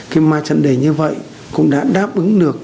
khi mà trận đề như vậy cũng đã đáp ứng được